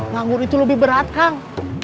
nganggur itu lebih berat kang